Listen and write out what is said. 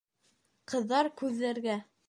Ҡыҙҙар күҙләргә.